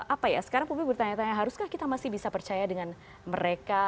apa ya sekarang publik bertanya tanya haruskah kita masih bisa percaya dengan mereka